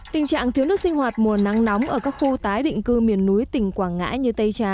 tình trạng thiếu nước sinh hoạt mùa nắng nóng ở các khu tái định cư miền núi tỉnh quảng ngãi như tây trà